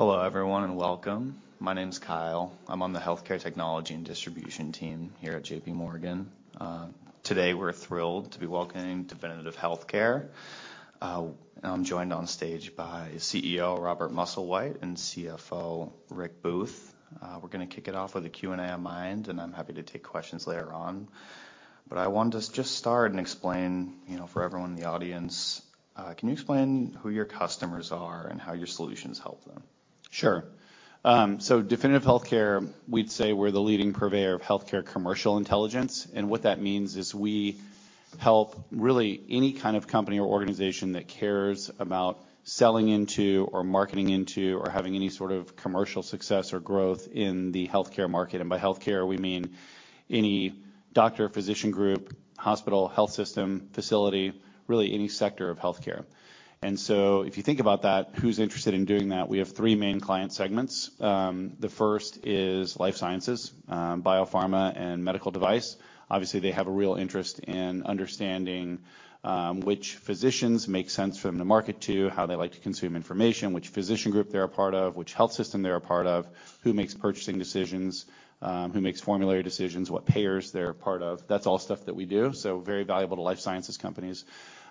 Hello, everyone, and welcome. My name's Kyle. I'm on the healthcare technology and distribution team here at J.P. Morgan. Today we're thrilled to be welcoming Definitive Healthcare. I'm joined on stage by CEO, Robert Musslewhite, and CFO, Rick Booth. We're gonna kick it off with a Q&A on my end, and I'm happy to take questions later on. I want to just start and explain, you know, for everyone in the audience, can you explain who your customers are and how your solutions help them? Sure. Definitive Healthcare, we'd say we're the leading purveyor of healthcare commercial intelligence, and what that means is we help really any kind of company or organization that cares about selling into or marketing into or having any sort of commercial success or growth in the healthcare market. By healthcare, we mean any doctor, physician group, hospital, health system, facility, really any sector of healthcare. If you think about that, who's interested in doing that, we have three main client segments. The first is life sciences, biopharma and medical device. Obviously, they have a real interest in understanding which physicians make sense for them to market to, how they like to consume information, which physician group they're a part of, which health system they're a part of, who makes purchasing decisions, who makes formulary decisions, what payers they're a part of. That's all stuff that we do, so very valuable to life sciences companies.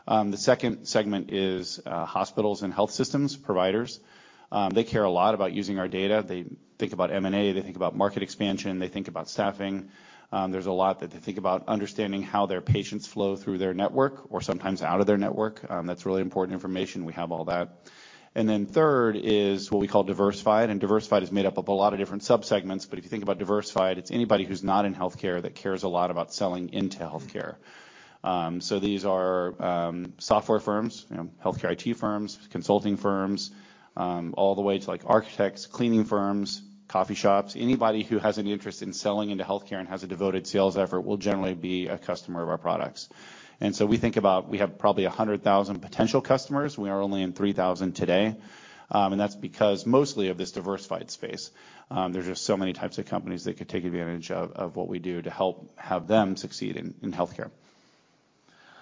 The second segment is hospitals and health systems, providers. They care a lot about using our data. They think about M&A, they think about market expansion, they think about staffing. There's a lot that they think about understanding how their patients flow through their network or sometimes out of their network. That's really important information. We have all that. Third is what we call diversified, and diversified is made up of a lot of different sub-segments, but if you think about diversified, it's anybody who's not in healthcare that cares a lot about selling into healthcare. So these are software firms, you know, healthcare IT firms, consulting firms, all the way to, like, architects, cleaning firms, coffee shops. Anybody who has any interest in selling into healthcare and has a devoted sales effort will generally be a customer of our products. We think about, we have probably 100,000 potential customers. We are only in 3,000 today, and that's because mostly of this diversified space. There's just so many types of companies that could take advantage of what we do to help have them succeed in healthcare.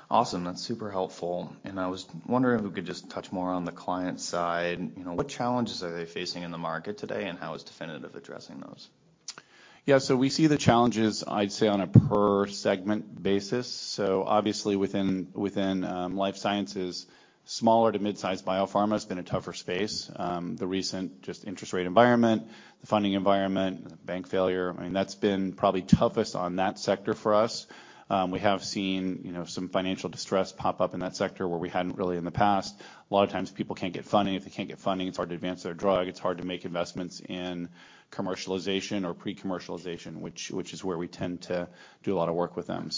Awesome. That's super helpful. I was wondering if we could just touch more on the client side. You know, what challenges are they facing in the market today, and how is Definitive addressing those? Yeah. We see the challenges, I'd say, on a per segment basis. Obviously within life sciences, smaller to mid-size biopharma has been a tougher space. The recent just interest rate environment, the funding environment, bank failure, I mean, that's been probably toughest on that sector for us. We have seen, you know, some financial distress pop up in that sector where we hadn't really in the past. A lot of times people can't get funding. If they can't get funding, it's hard to advance their drug. It's hard to make investments in commercialization or pre-commercialization, which is where we tend to do a lot of work with them.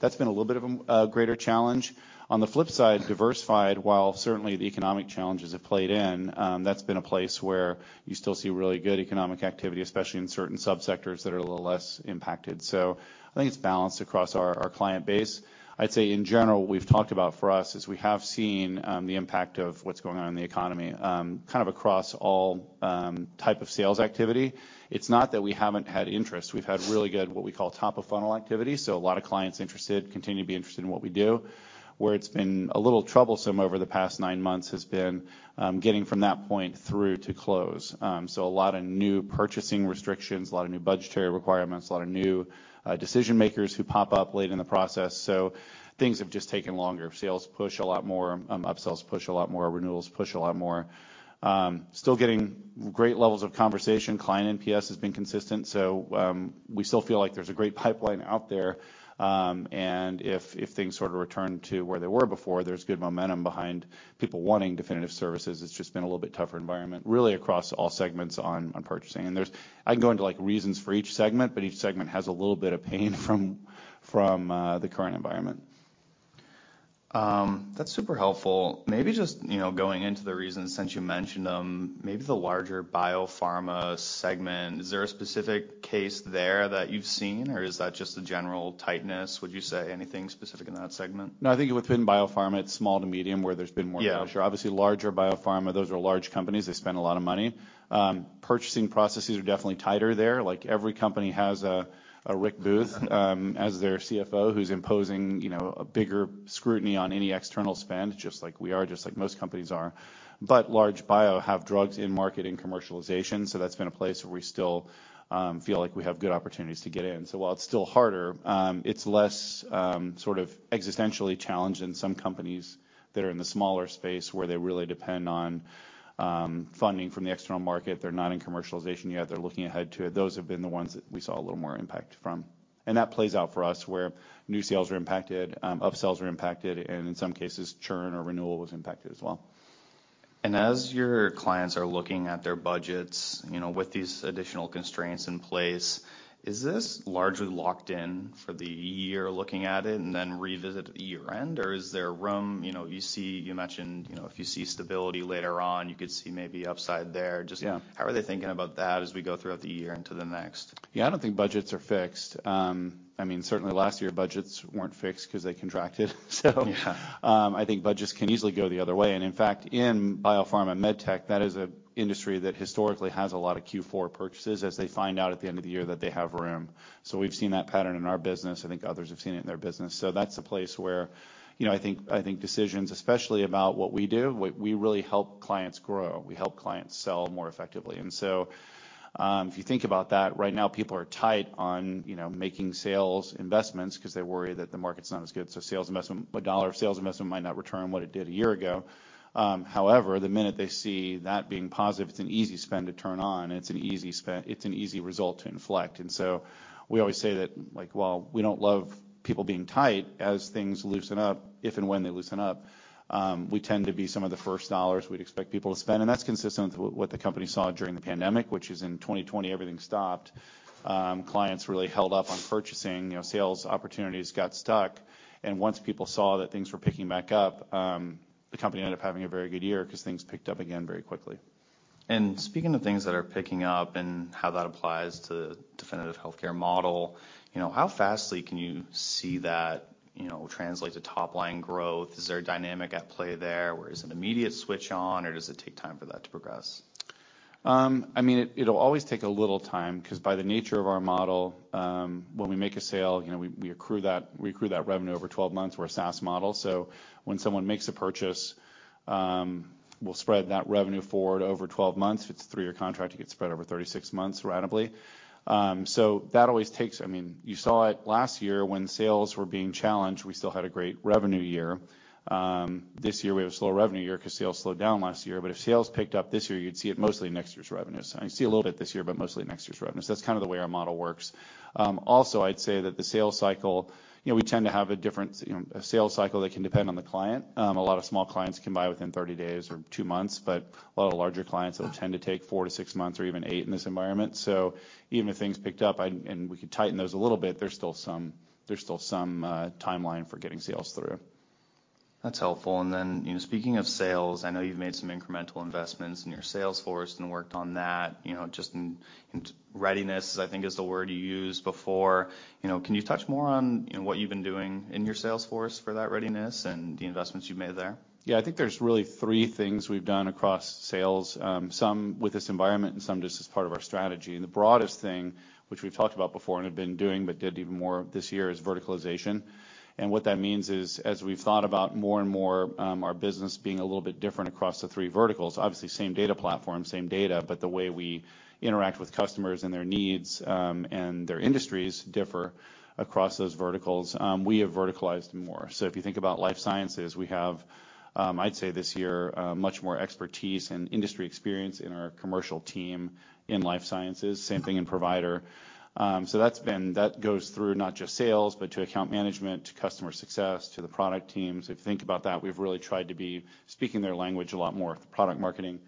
That's been a little bit of a greater challenge. On the flip side, diversified, while certainly the economic challenges have played in, that's been a place where you still see really good economic activity, especially in certain sub-sectors that are a little less impacted. I think it's balanced across our client base. I'd say in general, what we've talked about for us is we have seen the impact of what's going on in the economy, kind of across all type of sales activity. It's not that we haven't had interest. We've had really good, what we call top-of-funnel activity, so a lot of clients interested, continue to be interested in what we do. Where it's been a little troublesome over the past nine months has been getting from that point through to close. A lot of new purchasing restrictions, a lot of new budgetary requirements, a lot of new decision-makers who pop up late in the process. Things have just taken longer. Sales push a lot more, upsells push a lot more, renewals push a lot more. Still getting great levels of conversation. Client NPS has been consistent, we still feel like there's a great pipeline out there. If things sort of return to where they were before, there's good momentum behind people wanting Definitive services. It's just been a little bit tougher environment, really across all segments on purchasing. I can go into, like, reasons for each segment, but each segment has a little bit of pain from the current environment. That's super helpful. Maybe just, you know, going into the reasons since you mentioned them, maybe the larger biopharma segment, is there a specific case there that you've seen? Or is that just the general tightness, would you say? Anything specific in that segment? No, I think within biopharma, it's small to medium where there's been more- Yeah.... pressure. Obviously, larger biopharma, those are large companies. They spend a lot of money. Purchasing processes are definitely tighter there. Like, every company has a Rick Booth, as their CFO, who's imposing, you know, a bigger scrutiny on any external spend, just like we are, just like most companies are. Large bio have drugs in market and commercialization, so that's been a place where we still feel like we have good opportunities to get in. While it's still harder, it's less sort of existentially challenged than some companies that are in the smaller space where they really depend on funding from the external market. They're not in commercialization yet. They're looking ahead to it. Those have been the ones that we saw a little more impact from. That plays out for us where new sales are impacted, upsells are impacted, and in some cases, churn or renewal was impacted as well. As your clients are looking at their budgets, you know, with these additional constraints in place, is this largely locked in for the year looking at it and then revisit at year-end? Or is there room, you know, you see, you mentioned, you know, if you see stability later on, you could see maybe upside there? Yeah. How are they thinking about that as we go throughout the year and to the next? Yeah, I don't think budgets are fixed. I mean, certainly last year budgets weren't fixed 'cause they contracted. Yeah. I think budgets can easily go the other way. In fact, in biopharma and med tech, that is a industry that historically has a lot of Q4 purchases as they find out at the end of the year that they have room. We've seen that pattern in our business. I think others have seen it in their business. That's a place where, you know, I think decisions, especially about what we do, we really help clients grow. We help clients sell more effectively. If you think about that, right now people are tight on, you know, making sales investments 'cause they worry that the market's not as good, so a dollar of sales investment might not return what it did a year ago. However, the minute they see that being positive, it's an easy spend to turn on, and it's an easy result to inflect. We always say that, like, while we don't love people being tight, as things loosen up, if and when they loosen up, we tend to be some of the first dollars we'd expect people to spend. That's consistent with what the company saw during the pandemic, which is in 2020 everything stopped. Clients really held up on purchasing. You know, sales opportunities got stuck. Once people saw that things were picking back up, the company ended up having a very good year 'cause things picked up again very quickly. Speaking of things that are picking up and how that applies to Definitive Healthcare model, you know, how fastly can you see that, you know, translate to top-line growth? Is there a dynamic at play there? Is it an immediate switch on, or does it take time for that to progress? I mean, it'll always take a little time 'cause by the nature of our model, when we make a sale, you know, we accrue that revenue over 12 months. We're a SaaS model, so when someone makes a purchase, we'll spread that revenue forward over 12 months. If it's a three-year contract, it gets spread over 36 months ratably. That always takes... I mean, you saw it last year when sales were being challenged, we still had a great revenue year. This year we have a slow revenue year 'cause sales slowed down last year. If sales picked up this year, you'd see it mostly in next year's revenues. I mean, you see a little bit this year, but mostly in next year's revenues. That's kind of the way our model works. Also, I'd say that the sales cycle, you know, we tend to have a different, you know, a sales cycle that can depend on the client. A lot of small clients can buy within 30 days or two months, but a lot of larger clients will tend to take four-six months or even eight in this environment. Even if things picked up, I'd and we could tighten those a little bit, there's still some timeline for getting sales through. That's helpful. You know, speaking of sales, I know you've made some incremental investments in your sales force and worked on that, you know, just in readiness, I think is the word you used before. You know, can you touch more on, you know, what you've been doing in your sales force for that readiness and the investments you've made there? Yeah. I think there's really three things we've done across sales, some with this environment and some just as part of our strategy. The broadest thing, which we've talked about before and have been doing, but did even more this year, is verticalization. What that means is, as we've thought about more and more, our business being a little bit different across the three verticals, obviously same data platform, same data, but the way we interact with customers and their needs, and their industries differ across those verticals. We have verticalized more. If you think about life sciences, we have, I'd say this year, much more expertise and industry experience in our commercial team in life sciences. Same thing in provider. That goes through not just sales, but to account management, to customer success, to the product teams. If you think about that, we've really tried to be speaking their language a lot more with the product marketing.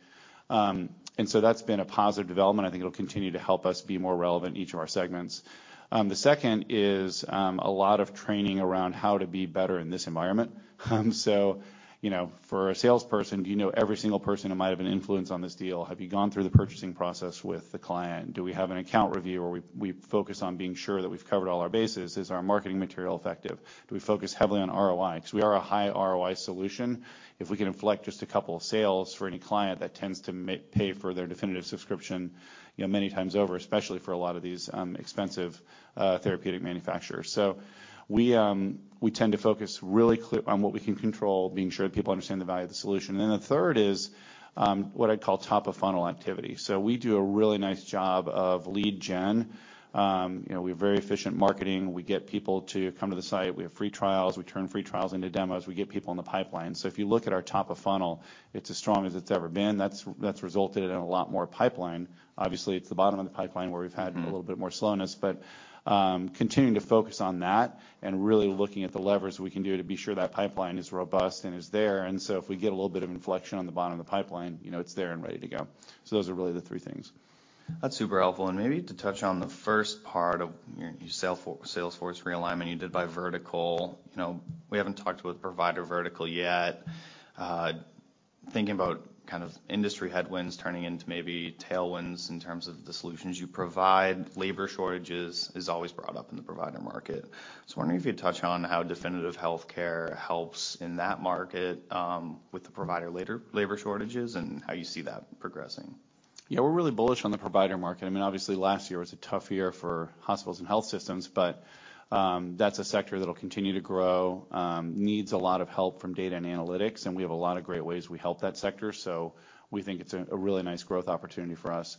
That's been a positive development. I think it'll continue to help us be more relevant in each of our segments. The second is, a lot of training around how to be better in this environment. You know, for a salesperson, do you know every single person who might have an influence on this deal? Have you gone through the purchasing process with the client? Do we have an account review? We focus on being sure that we've covered all our bases. Is our marketing material effective? Do we focus heavily on ROI? 'Cause we are a high ROI solution. If we can inflect just a couple of sales for any client, that tends to pay for their Definitive subscription, you know, many times over, especially for a lot of these expensive therapeutic manufacturers. We tend to focus really on what we can control, being sure that people understand the value of the solution. The third is what I'd call top-of-funnel activity. We do a really nice job of lead gen. You know, we have very efficient marketing. We get people to come to the site. We have free trials. We turn free trials into demos. We get people in the pipeline. If you look at our top-of-funnel, it's as strong as it's ever been. That's resulted in a lot more pipeline. Obviously, it's the bottom of the pipeline where we've had. Mm-hmm. ...a little bit more slowness. Continuing to focus on that and really looking at the levers we can do to be sure that pipeline is robust and is there. If we get a little bit of inflection on the bottom of the pipeline, you know, it's there and ready to go. Those are really the three things. That's super helpful. Maybe to touch on the first part of your sales force realignment you did by vertical. You know, we haven't talked about the provider vertical yet. Thinking about kind of industry headwinds turning into maybe tailwinds in terms of the solutions you provide, labor shortages is always brought up in the provider market. I was wondering if you'd touch on how Definitive Healthcare helps in that market, with the provider labor shortages and how you see that progressing. Yeah. We're really bullish on the provider market. I mean, obviously last year was a tough year for hospitals and health systems, but that's a sector that'll continue to grow, needs a lot of help from data and analytics, and we have a lot of great ways we help that sector. We think it's a really nice growth opportunity for us.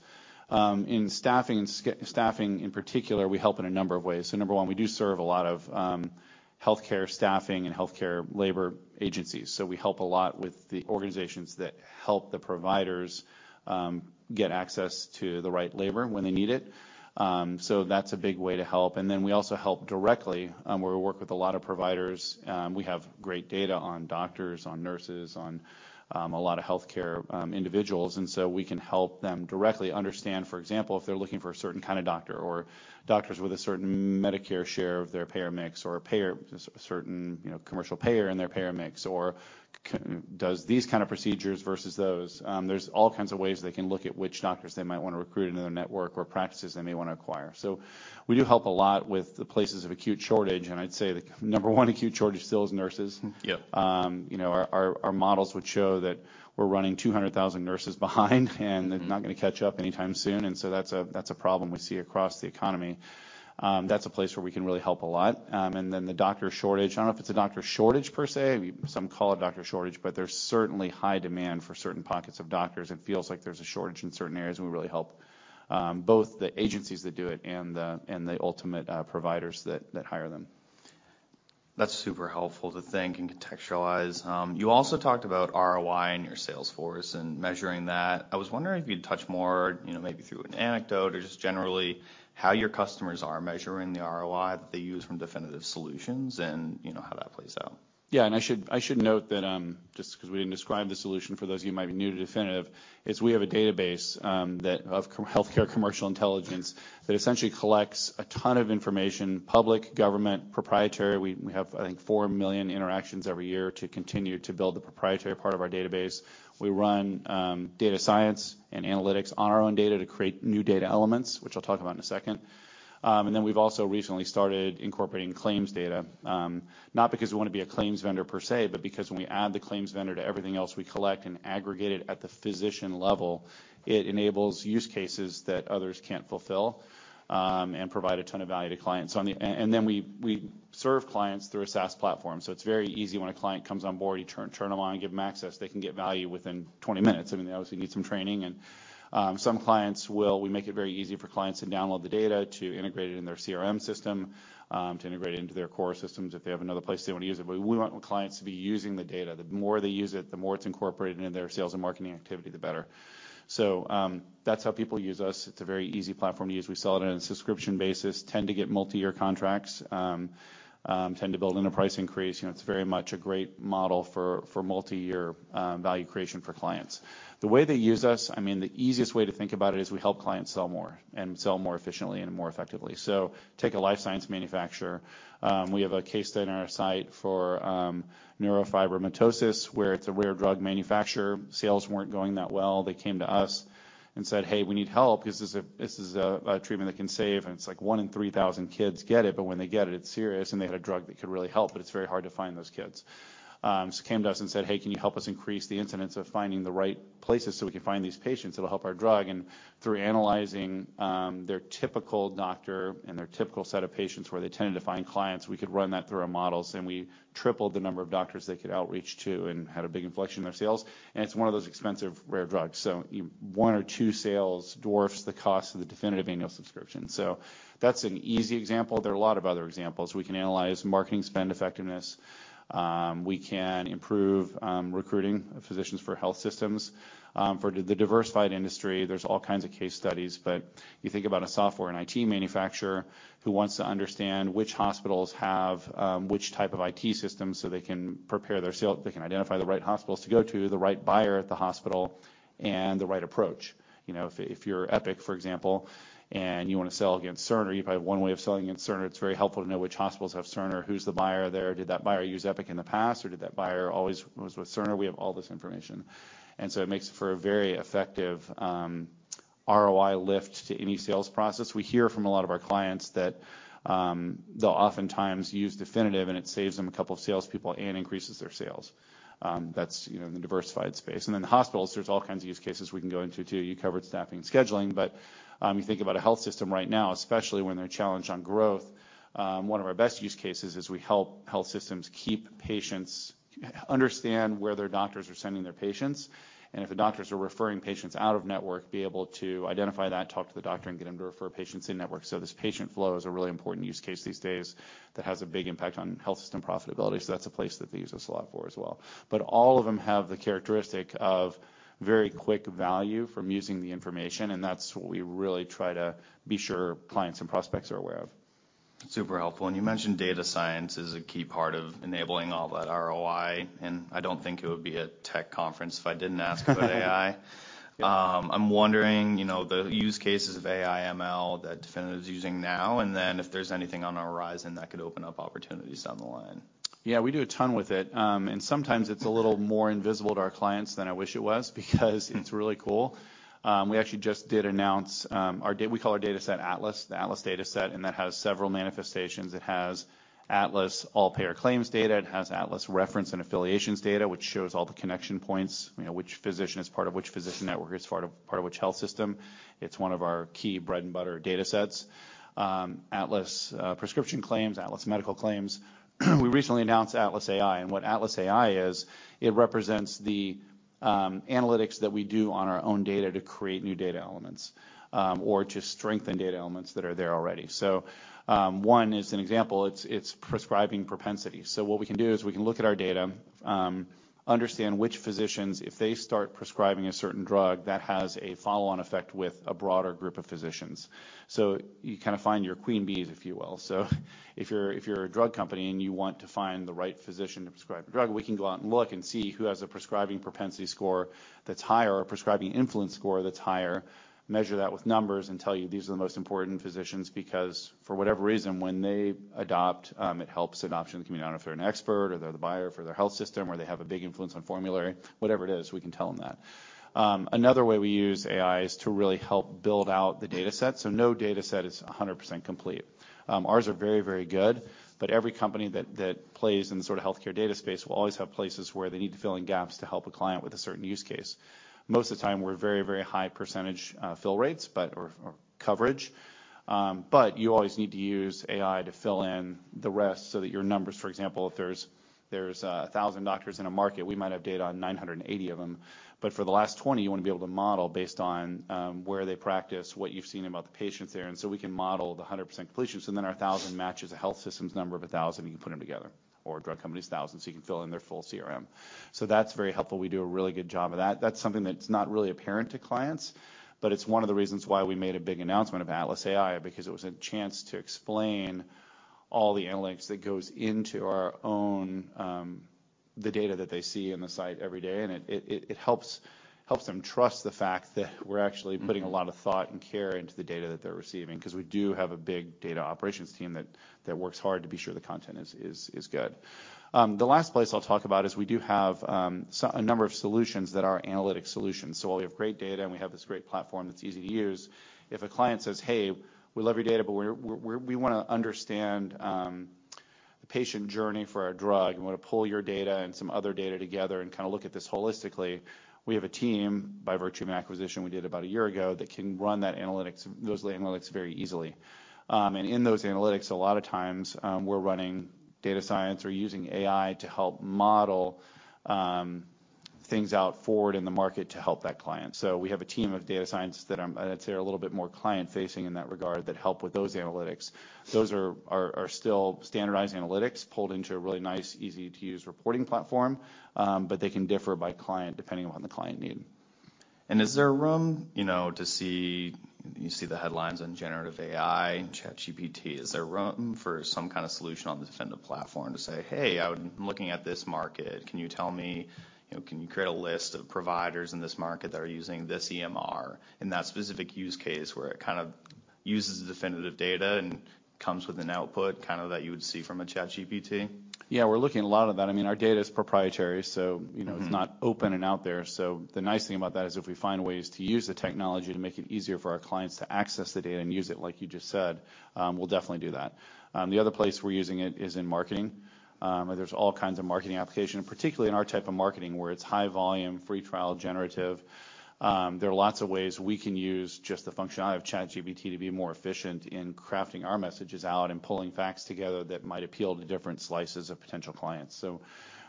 In staffing staffing in particular, we help in a number of ways. Number one, we do serve a lot of healthcare staffing and healthcare labor agencies. We help a lot with the organizations that help the providers get access to the right labor when they need it. That's a big way to help. We also help directly where we work with a lot of providers. We have great data on doctors, on nurses, on a lot of healthcare individuals, we can help them directly understand, for example, if they're looking for a certain kind of doctor or doctors with a certain Medicare share of their payer mix or a payer, a certain, you know, commercial payer in their payer mix, or does these kind of procedures versus those. There's all kinds of ways they can look at which doctors they might wanna recruit into their network or practices they may wanna acquire. We do help a lot with the places of acute shortage, and I'd say the number one acute shortage still is nurses. Yep. you know, our models would show that we're running 200,000 nurses behind. Mm-hmm. ...they're not gonna catch up anytime soon. That's a problem we see across the economy. That's a place where we can really help a lot. The doctor shortage. I don't know if it's a doctor shortage per se, some call it doctor shortage, but there's certainly high demand for certain pockets of doctors, and it feels like there's a shortage in certain areas, and we really help both the agencies that do it and the ultimate providers that hire them. That's super helpful to think and contextualize. You also talked about ROI in your sales force and measuring that. I was wondering if you'd touch more, you know, maybe through an anecdote or just generally how your customers are measuring the ROI that they use from Definitive Solutions and, you know, how that plays out. Yeah. I should note that, just 'cause we didn't describe the solution for those of you who might be new to Definitive, is we have a database of healthcare commercial intelligence that essentially collects a ton of information, public, government, proprietary. We have, I think, 4 million interactions every year to continue to build the proprietary part of our database. We run data science and analytics on our own data to create new data elements, which I'll talk about in a second. Then we've also recently started incorporating claims data, not because we wanna be a claims vendor per se, but because when we add the claims vendor to everything else we collect and aggregate it at the physician level, it enables use cases that others can't fulfill and provide a ton of value to clients. We serve clients through a SaaS platform, so it's very easy when a client comes on board, you turn them on and give them access. They can get value within 20 minutes. I mean, they obviously need some training and some clients will. We make it very easy for clients to download the data, to integrate it in their CRM system, to integrate it into their core systems if they have another place they wanna use it. We want the clients to be using the data. The more they use it, the more it's incorporated into their sales and marketing activity, the better. That's how people use us. It's a very easy platform to use. We sell it on a subscription basis, tend to get multi-year contracts, tend to build in a price increase. You know, it's very much a great model for multi-year, value creation for clients. The way they use us, I mean, the easiest way to think about it is we help clients sell more and sell more efficiently and more effectively. Take a life science manufacturer. We have a case study on our site for neurofibromatosis, where it's a rare drug manufacturer. Sales weren't going that well. They came to us and said, "Hey, we need help." This is a treatment that can save, and it's like 1 in 3,000 kids get it, but when they get it's serious, and they had a drug that could really help, but it's very hard to find those kids. Came to us and said, "Hey, can you help us increase the incidence of finding the right places so we can find these patients that'll help our drug?" Through analyzing their typical doctor and their typical set of patients where they tended to find clients, we could run that through our models, and we tripled the number of doctors they could outreach to and had a big inflection in their sales. It's one of those expensive rare drugs. One or two sales dwarfs the cost of the Definitive annual subscription. That's an easy example. There are a lot of other examples. We can improve recruiting physicians for health systems. For the diversified industry, there's all kinds of case studies, but you think about a software and IT manufacturer who wants to understand which hospitals have which type of IT system so they can prepare their sale. They can identify the right hospitals to go to, the right buyer at the hospital, and the right approach. You know, if you're Epic, for example, and you wanna sell against Cerner, you probably have one way of selling against Cerner. It's very helpful to know which hospitals have Cerner. Who's the buyer there? Did that buyer use Epic in the past, or did that buyer always was with Cerner? We have all this information. It makes for a very effective ROI lift to any sales process. We hear from a lot of our clients that they'll oftentimes use Definitive, and it saves them a couple of salespeople and increases their sales. That's, you know, in the diversified space. The hospitals, there's all kinds of use cases we can go into too. You covered staffing and scheduling, but you think about a health system right now, especially when they're challenged on growth, one of our best use cases is we help health systems keep patients... understand where their doctors are sending their patients, and if the doctors are referring patients out of network, be able to identify that, talk to the doctor, and get them to refer patients in-network. This patient flow is a really important use case these days that has a big impact on health system profitability, so that's a place that they use us a lot for as well. All of them have the characteristic of very quick value from using the information, and that's what we really try to be sure clients and prospects are aware of. Super helpful. You mentioned data science is a key part of enabling all that ROI, and I don't think it would be a tech conference if I didn't ask about AI. Yeah. I'm wondering, you know, the use cases of AI ML that Definitive is using now, and then if there's anything on the horizon that could open up opportunities down the line? Yeah, we do a ton with it. Sometimes it's a little more invisible to our clients than I wish it was because it's really cool. We actually just did announce, we call our dataset Atlas, the Atlas Dataset, and that has several manifestations. It has Atlas All-Payor Claims data. It has Atlas Reference & Affiliations data, which shows all the connection points, you know, which physician is part of which physician network is part of which health system. It's one of our key bread and butter datasets. Atlas Prescription Claims, Atlas medical claims. We recently announced Atlas AI, and what Atlas AI is, it represents the analytics that we do on our own data to create new data elements or to strengthen data elements that are there already. One is an example. It's prescribing propensity. What we can do is we can look at our data, understand which physicians, if they start prescribing a certain drug, that has a follow-on effect with a broader group of physicians. You kinda find your queen bees, if you will. If you're a drug company and you want to find the right physician to prescribe a drug, we can go out and look and see who has a prescribing propensity score that's higher, a prescribing influence score that's higher, measure that with numbers, and tell you these are the most important physicians, because for whatever reason, when they adopt, it helps adoption in the community. I don't know if they're an expert, or they're the buyer for their health system, or they have a big influence on formulary. Whatever it is, we can tell them that. Another way we use AI is to really help build out the dataset. No dataset is 100% complete. Ours are very, very good, but every company that plays in the sort of healthcare data space will always have places where they need to fill in gaps to help a client with a certain use case. Most of the time, we're very, very high percentage fill rates, or coverage. You always need to use AI to fill in the rest so that your numbers, for example, if there's a 1,000 doctors in a market, we might have data on 980 of them. For the last 20, you wanna be able to model based on where they practice, what you've seen about the patients there, we can model the 100% completion. Our 1,000 matches a health system's number of a 1,000, and you can put them together. A drug company's 1,000, so you can fill in their full CRM. That's very helpful. We do a really good job of that. That's something that's not really apparent to clients. It's one of the reasons why we made a big announcement of Atlas AI, because it was a chance to explain all the analytics that goes into our own, the data that they see in the site every day. It helps them trust the fact that we're actually putting a lot of thought and care into the data that they're receiving, 'cause we do have a big data operations team that works hard to be sure the content is good. The last place I'll talk about is we do have a number of solutions that are analytic solutions. While we have great data and we have this great platform that's easy to use, if a client says, "Hey, we love your data, but we wanna understand the patient journey for our drug and wanna pull your data and some other data together and kinda look at this holistically," we have a team, by virtue of an acquisition we did about a year ago, that can run that analytics, those analytics very easily. In those analytics, a lot of times, we're running data science or using AI to help model things out forward in the market to help that client. We have a team of data scientists that, I'd say are a little bit more client-facing in that regard, that help with those analytics. Those are still standardized analytics pulled into a really nice, easy-to-use reporting platform, but they can differ by client depending on the client need. Is there room, you know, to see, you see the headlines on generative AI and ChatGPT. Is there room for some kind of solution on the Definitive platform to say, "Hey, I'm looking at this market. Can you tell me, you know, can you create a list of providers in this market that are using this EMR?" in that specific use case where it kind of uses the Definitive data and comes with an output kind of that you would see from a ChatGPT? We're looking at a lot of that. I mean, our data is proprietary, so you know. Mm-hmm.... it's not open and out there. The nice thing about that is if we find ways to use the technology to make it easier for our clients to access the data and use it like you just said, we'll definitely do that. The other place we're using it is in marketing, where there's all kinds of marketing application, and particularly in our type of marketing, where it's high volume, free trial, generative. There are lots of ways we can use just the functionality of ChatGPT to be more efficient in crafting our messages out and pulling facts together that might appeal to different slices of potential clients.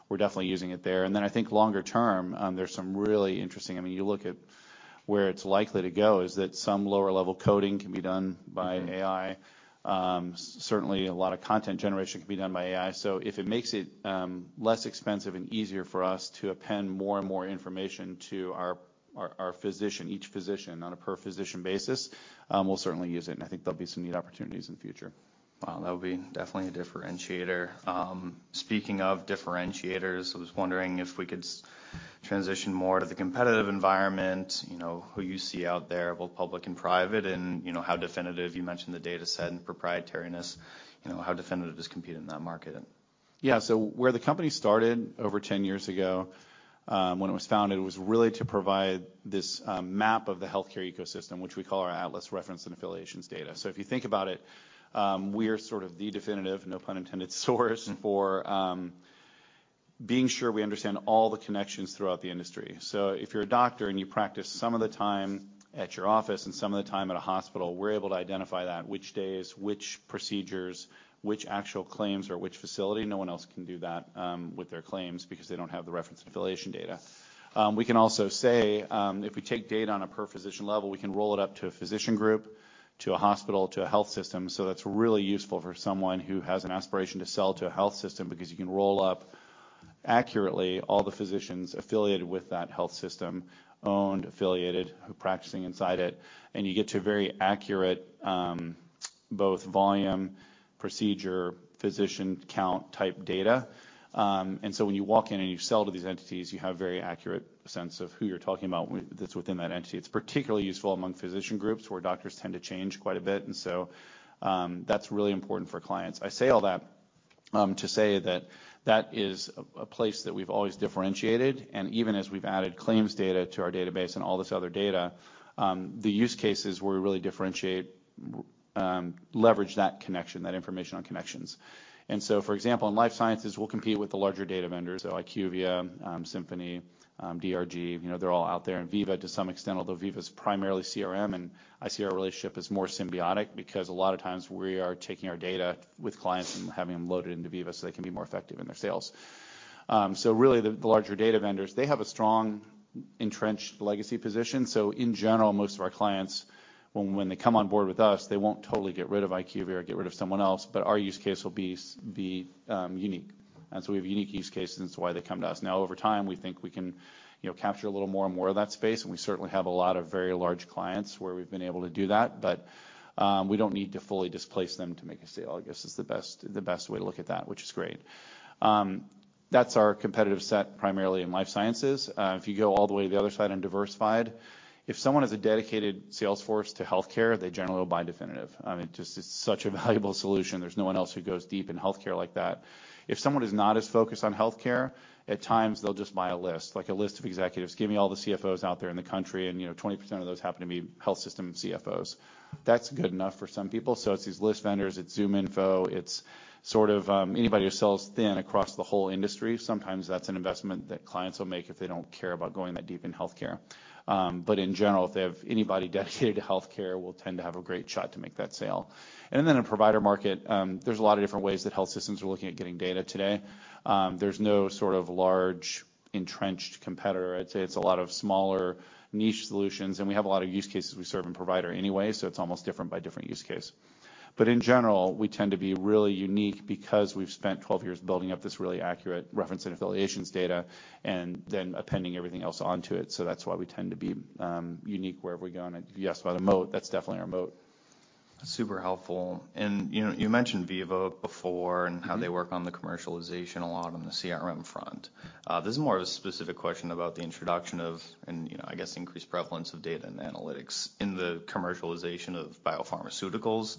We're definitely using it there. I think longer term, there's some really interesting... I mean, you look at where it's likely to go, is that some lower level coding can be done by AI. Mm-hmm. Certainly a lot of content generation can be done by AI. If it makes it less expensive and easier for us to append more and more information to our physician, each physician on a per physician basis, we'll certainly use it, and I think there'll be some neat opportunities in the future. Wow, that would be definitely a differentiator. Speaking of differentiators, I was wondering if we could transition more to the competitive environment, you know, who you see out there, both public and private, and you know, how Definitive, you mentioned the dataset and proprietariness, you know, how Definitive has competed in that market. Yeah. Where the company started over 10 years ago, when it was founded, was really to provide this map of the healthcare ecosystem, which we call our Atlas Reference and Affiliations data. If you think about it, we're sort of the definitive, no pun intended, source for being sure we understand all the connections throughout the industry. If you're a doctor, and you practice some of the time at your office and some of the time at a hospital, we're able to identify that, which days, which procedures, which actual claims or which facility. No one else can do that with their claims because they don't have the reference and affiliation data. We can also say, if we take data on a per physician level, we can roll it up to a physician group, to a hospital, to a health system. That's really useful for someone who has an aspiration to sell to a health system, because you can roll up accurately all the physicians affiliated with that health system, owned, affiliated, who are practicing inside it, and you get to a very accurate both volume, procedure, physician count type data. When you walk in and you sell to these entities, you have a very accurate sense of who you're talking about that's within that entity. It's particularly useful among physician groups, where doctors tend to change quite a bit and so, that's really important for clients. I say all that to say that that is a place that we've always differentiated, and even as we've added claims data to our database and all this other data, the use cases where we really differentiate, leverage that connection, that information on connections. For example, in life sciences, we'll compete with the larger data vendors, so IQVIA, Symphony, DRG. You know, they're all out there, and Veeva to some extent, although Veeva's primarily CRM, and I see our relationship as more symbiotic, because a lot of times we are taking our data with clients and having them load it into Veeva so they can be more effective in their sales. Really, the larger data vendors, they have a strong entrenched legacy position, so in general, most of our clients, when they come on board with us, they won't totally get rid of IQVIA or get rid of someone else, but our use case will be unique. We have unique use cases, and that's why they come to us. Over time, we think we can, you know, capture a little more and more of that space, and we certainly have a lot of very large clients where we've been able to do that. We don't need to fully displace them to make a sale, I guess, is the best way to look at that, which is great. That's our competitive set primarily in life sciences. If you go all the way to the other side on diversified, if someone has a dedicated sales force to healthcare, they generally will buy Definitive. I mean, just it's such a valuable solution. There's no one else who goes deep in healthcare like that. If someone is not as focused on healthcare, at times they'll just buy a list, like a list of executives. Give me all the CFOs out there in the country, and, you know, 20% of those happen to be health system CFOs. That's good enough for some people. It's these list vendors, it's ZoomInfo, it's sort of, anybody who sells thin across the whole industry. Sometimes that's an investment that clients will make if they don't care about going that deep in healthcare. In general, if they have anybody dedicated to healthcare, we'll tend to have a great shot to make that sale. In provider market, there's a lot of different ways that health systems are looking at getting data today. There's no sort of large entrenched competitor. I'd say it's a lot of smaller niche solutions, and we have a lot of use cases we serve in provider anyway, so it's almost different by different use case. In general, we tend to be really unique because we've spent 12 years building up this really accurate reference and affiliations data and then appending everything else onto it. That's why we tend to be unique wherever we go. Yes, by the moat, that's definitely our moat. Super helpful. You know, you mentioned Veeva before. Mm-hmm. How they work on the commercialization a lot on the CRM front. This is more of a specific question about the introduction of, and, you know, I guess increased prevalence of data and analytics in the commercialization of biopharmaceuticals.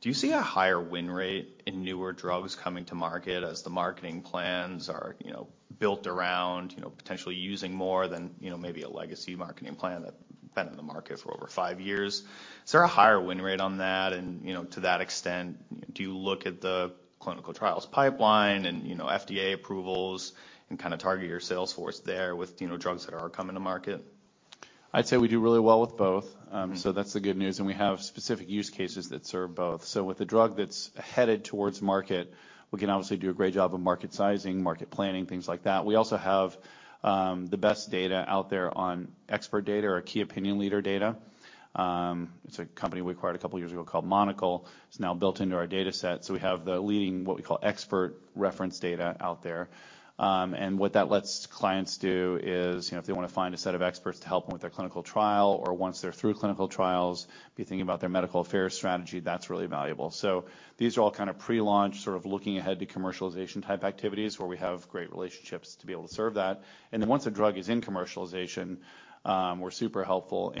Do you see a higher win rate in newer drugs coming to market as the marketing plans are, you know, built around, you know, potentially using more than, you know, maybe a legacy marketing plan that had been in the market for over 5 years? Is there a higher win rate on that? You know, to that extent, do you look at the clinical trials pipeline and, you know, FDA approvals and kind of target your sales force there with, you know, drugs that are coming to market? I'd say we do really well with both. That's the good news. We have specific use cases that serve both. With a drug that's headed towards market, we can obviously do a great job of market sizing, market planning, things like that. We also have the best data out there on expert data or key opinion leader data. It's a company we acquired a couple of years ago called Monocl. It's now built into our data set, so we have the leading, what we call expert reference data out there. What that lets clients do is, you know, if they want to find a set of experts to help them with their clinical trial, or once they're through clinical trials, be thinking about their medical affairs strategy, that's really valuable. These are all kind of pre-launch, sort of looking ahead to commercialization type activities where we have great relationships to be able to serve that. Once a drug is in commercialization, we're super helpful.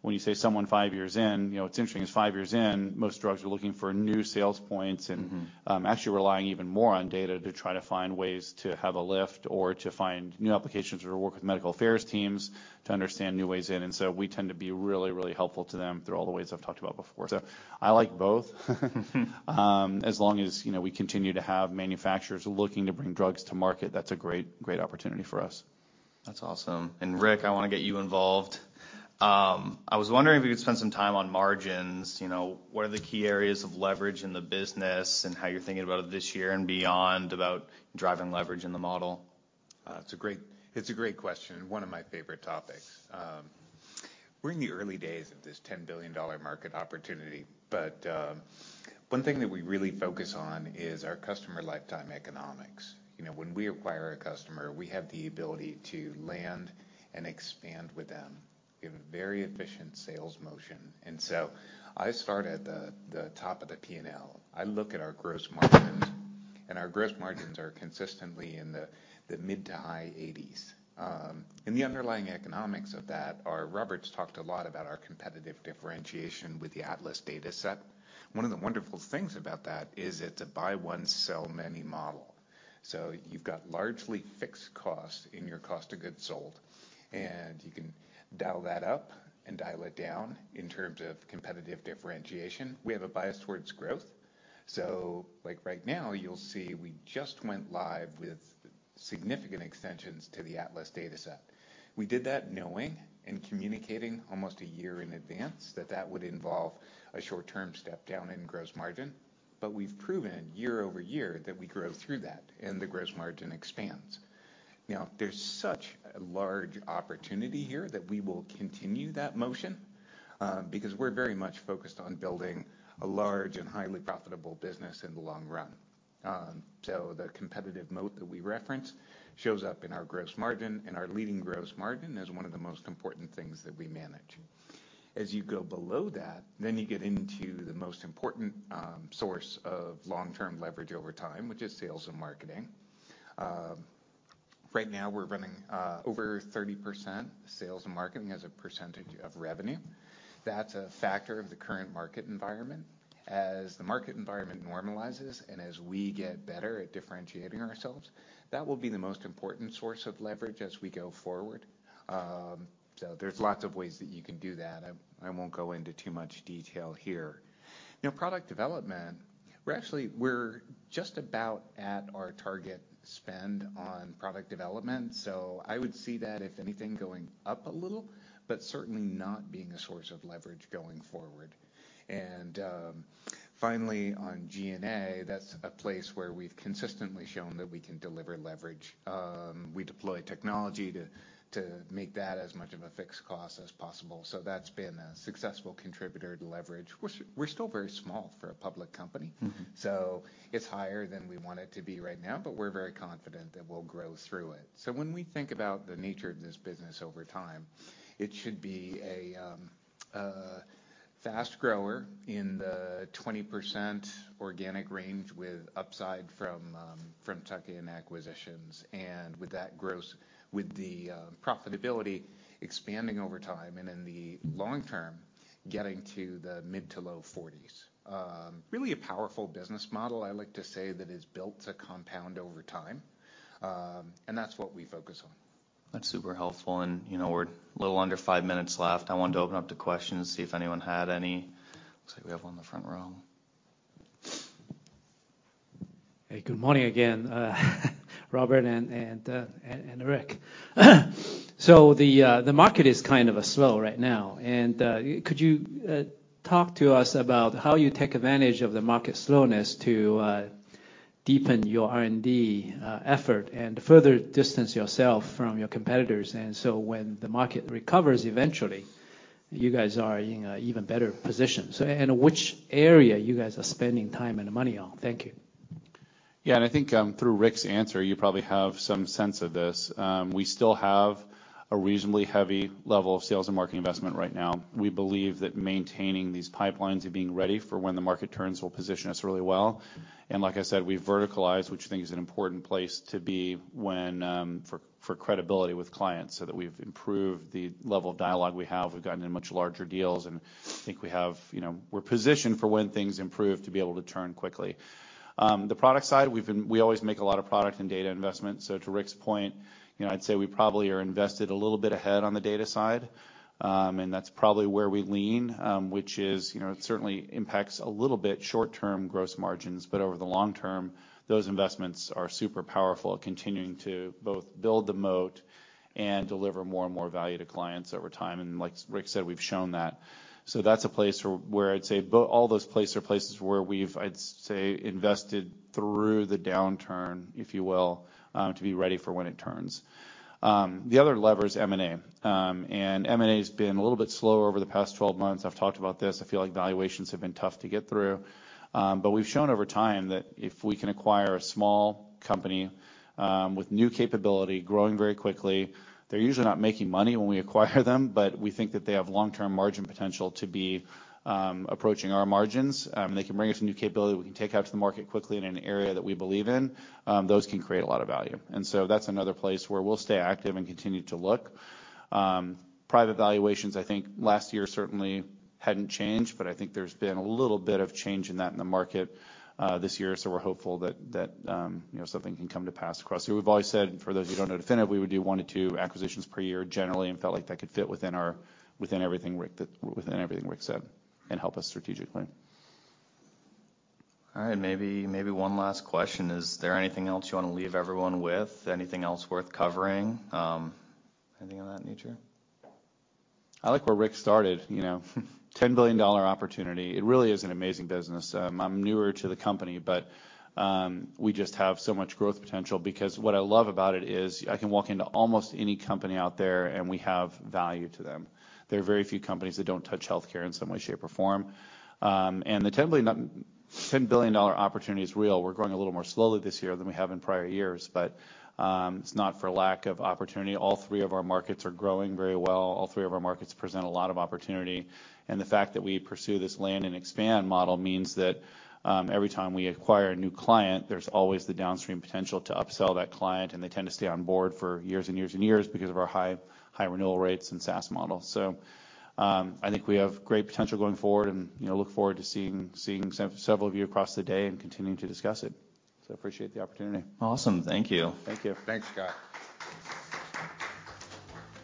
When you say someone 5 years in, you know, what's interesting is 5 years in, most drugs are looking for new sales points. Mm-hmm. actually relying even more on data to try to find ways to have a lift or to find new applications or work with medical affairs teams to understand new ways in. We tend to be really, really helpful to them through all the ways I've talked about before. I like both. As long as, you know, we continue to have manufacturers looking to bring drugs to market, that's a great opportunity for us. That's awesome. Rick, I wanna get you involved. I was wondering if you could spend some time on margins, you know, what are the key areas of leverage in the business and how you're thinking about it this year and beyond, about driving leverage in the model? It's a great question, and one of my favorite topics. We're in the early days of this $10 billion market opportunity, but one thing that we really focus on is our customer lifetime economics. You know, when we acquire a customer, we have the ability to land and expand with them. We have a very efficient sales motion. I start at the top of the P&L. I look at our gross margins, and our gross margins are consistently in the mid-to-high 80s%. The underlying economics of that are, Robert's talked a lot about our competitive differentiation with the Atlas Dataset. One of the wonderful things about that is it's a buy one, sell many model. You've got largely fixed costs in your cost of goods sold. You can dial that up and dial it down in terms of competitive differentiation. We have a bias towards growth. Like right now, you'll see we just went live with significant extensions to the Atlas Dataset. We did that knowing and communicating almost a year in advance that that would involve a short-term step down in gross margin. We've proven year-over-year that we grow through that and the gross margin expands. There's such a large opportunity here that we will continue that motion because we're very much focused on building a large and highly profitable business in the long run. The competitive moat that we reference shows up in our gross margin, and our leading gross margin is one of the most important things that we manage. As you go below that, you get into the most important source of long-term leverage over time, which is sales and marketing. Right now we're running over 30% sales and marketing as a percentage of revenue. That's a factor of the current market environment. As the market environment normalizes and as we get better at differentiating ourselves, that will be the most important source of leverage as we go forward. There's lots of ways that you can do that. I won't go into too much detail here. You know, product development, we're just about at our target spend on product development. I would see that, if anything, going up a little, but certainly not being a source of leverage going forward. Finally on G&A, that's a place where we've consistently shown that we can deliver leverage. We deploy technology to make that as much of a fixed cost as possible. That's been a successful contributor to leverage. We're still very small for a public company. Mm-hmm. It's higher than we want it to be right now, but we're very confident that we'll grow through it. When we think about the nature of this business over time, it should be a fast grower in the 20% organic range with upside from tuck-in acquisitions. With the profitability expanding over time, and in the long term, getting to the mid-to-low 40s%. Really a powerful business model, I like to say, that is built to compound over time. And that's what we focus on. That's super helpful. You know, we're a little under five minutes left. I wanted to open up to questions, see if anyone had any. Looks like we have one in the front row. Hey, good morning again, Robert and Rick. The market is kind of a slow right now. Could you talk to us about how you take advantage of the market slowness to deepen your R&D effort and further distance yourself from your competitors. When the market recovers eventually, you guys are in a even better position. Which area you guys are spending time and money on? Thank you. Yeah. I think, through Rick's answer, you probably have some sense of this. We still have a reasonably heavy level of sales and marketing investment right now. We believe that maintaining these pipelines and being ready for when the market turns will position us really well. Like I said, we've verticalized, which I think is an important place to be when for credibility with clients, so that we've improved the level of dialogue we have. We've gotten in much larger deals, and I think we have, you know, we're positioned for when things improve to be able to turn quickly. The product side, we always make a lot of product and data investments. To Rick's point, you know, I'd say we probably are invested a little bit ahead on the data side. That's probably where we lean, which is, you know, it certainly impacts a little bit short-term gross margins, but over the long term, those investments are super powerful and continuing to both build the moat and deliver more and more value to clients over time. Like Rick said, we've shown that. That's a place where all those places are places where we've, I'd say, invested through the downturn, if you will, to be ready for when it turns. The other lever is M&A. And M&A has been a little bit slower over the past 12 months. I've talked about this. I feel like valuations have been tough to get through. We've shown over time that if we can acquire a small company, with new capability growing very quickly, they're usually not making money when we acquire them, but we think that they have long-term margin potential to be approaching our margins. They can bring us some new capability we can take out to the market quickly in an area that we believe in. Those can create a lot of value. That's another place where we'll stay active and continue to look. Private valuations, I think last year certainly hadn't changed, but I think there's been a little bit of change in that in the market this year, so we're hopeful that, you know, something can come to pass across. We've always said, and for those of you who don't know Definitive, we would do one to two acquisitions per year generally, and felt like that could fit within our, within everything Rick said, and help us strategically. All right. Maybe one last question. Is there anything else you wanna leave everyone with? Anything else worth covering? Anything of that nature? I like where Rick started, you know. $10 billion dollar opportunity. It really is an amazing business. I'm newer to the company, but we just have so much growth potential because what I love about it is I can walk into almost any company out there and we have value to them. There are very few companies that don't touch healthcare in some way, shape, or form. The $10 billion dollar opportunity is real. We're growing a little more slowly this year than we have in prior years, but it's not for lack of opportunity. All three of our markets are growing very well. All three of our markets present a lot of opportunity. The fact that we pursue this land and expand model means that every time we acquire a new client, there's always the downstream potential to upsell that client, and they tend to stay on board for years and years and years because of our high, high renewal rates and SaaS model. I think we have great potential going forward and, you know, look forward to seeing several of you across the day and continuing to discuss it. I appreciate the opportunity. Awesome. Thank you. Thank you. Thanks, Scott.